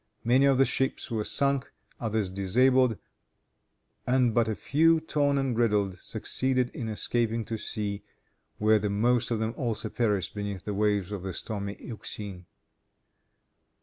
Many of the ships were sunk, others disabled, and but a few, torn and riddled, succeeded in escaping to sea, where the most of them also perished beneath the waves of the stormy Euxine.